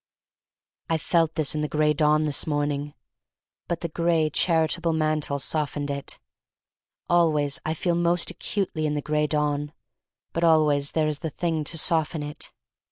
, I felt this in the Gray Dawn this morning, but the gray charitable man tle softened it. Always I feel most acutely in the Gray Dawn, but always there is the thing to soften it.